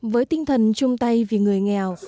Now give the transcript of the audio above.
với tinh thần chung tay vì người nghèo